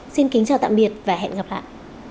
xin kính chào tạm biệt và hẹn gặp lại